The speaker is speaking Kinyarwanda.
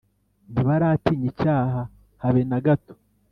ntibaratinya icyaha habe nagato